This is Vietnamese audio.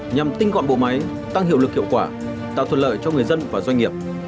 nhằm tinh gọn bộ máy tăng hiệu lực hiệu quả tạo thuận lợi cho người dân và doanh nghiệp